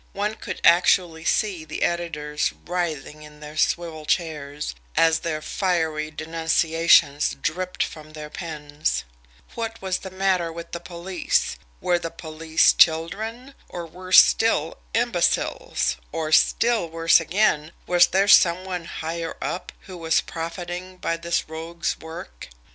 One could actually see the editors writhing in their swivel chairs as their fiery denunciations dripped from their pens! What was the matter with the police? Were the police children; or, worse still, imbeciles or, still worse again, was there some one "higher up" who was profiting by this rogue's work?